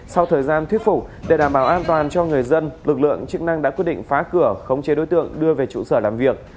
sau thời gian thuyết phục để đảm bảo an toàn cho người dân lực lượng chức năng đã quyết định phá cửa khống chế đối tượng đưa về trụ sở làm việc